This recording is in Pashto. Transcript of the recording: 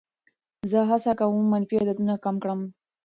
زه هڅه کوم منفي عادتونه کم کړم.